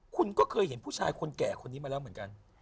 คุณก็เคยเห็นผู้ชายคนแก่คนนี้มาแล้วเหมือนกัน